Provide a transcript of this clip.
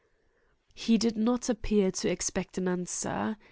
He did not appear to expect an answer.